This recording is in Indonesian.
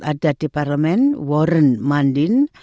masyarakat adat di parlemen warren mundine